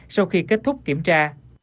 sau khi kết thúc kiểm tra